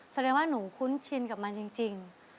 แสดงว่าหนูคุ้นชินกับมันจริง